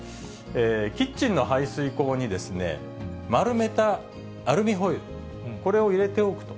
キッチンの排水口に丸めたアルミホイル、これを入れておくと。